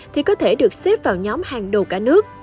thì có thể được xếp vào nhóm hàng đầu cả nước